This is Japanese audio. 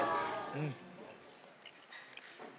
うん！